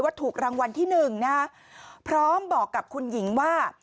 ว่าถูกรางวัลที่๑นะพร้อมบอกกับคุณหญิงว่า